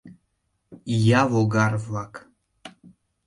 Ия логар-влак!